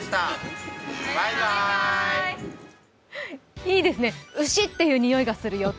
いいですね、牛っていう臭いがするよって。